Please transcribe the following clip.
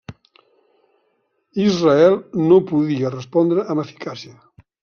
Israel no podia respondre amb eficàcia.